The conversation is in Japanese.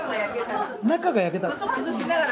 中が焼けたら？